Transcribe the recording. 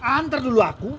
antar dulu aku